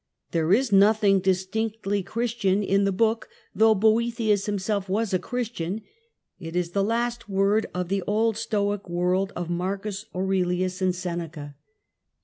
There is nothing distinctively Christian in the book, though Boethius himself was a Christian ; it is . the last word of the old Stoic world of Marcus Aurelius THK GOTHIC KINGDOM IN ITALY 33 and Seneca.